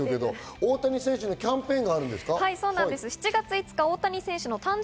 大谷選手のキャンペーンになるんですか。